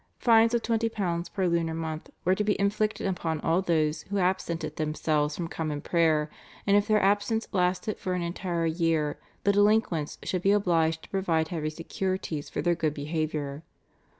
Fines of £20 per lunar month were to be inflicted upon all those who absented themselves from Common Prayer, and if their absence lasted for an entire year the delinquents should be obliged to provide heavy securities for their good behaviour.